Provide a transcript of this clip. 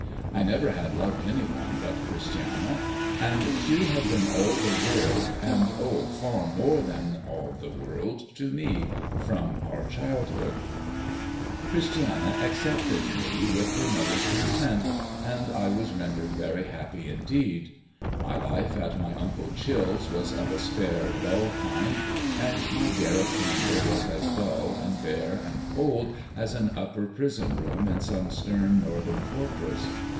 I never had loved any one but Christiana, and she had been all the world, and O far more than all the world, to me, from our childhood ! Christiana accepted me with her mother's consent, and I was rendered very happy indeed. My life at my uncle Chill's was of a spare dull kind, and my garret chamber was as dull, and bare, and cold, as an upper prison room in some stern northern fortress.